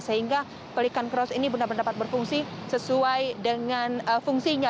sehingga pelikan cross ini benar benar dapat berfungsi sesuai dengan fungsinya